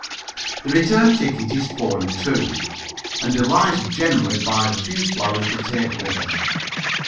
The return ticket is four and two, and Eliza generally buys a few flowers to take with her.